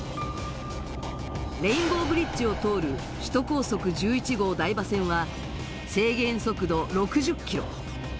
レインボーブリッジを通る首都高速１１号台場線は制限速度６０キロ